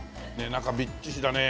中みっちしだね。